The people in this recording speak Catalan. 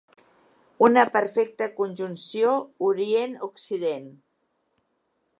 Una perfecta conjunció Orient-Occident.